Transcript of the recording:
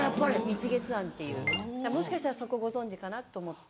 日月庵っていうもしかしたらそこご存じかなと思って。